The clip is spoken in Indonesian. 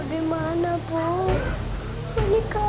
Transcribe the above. kenapa kau tidak tahu sama ibu lagi bu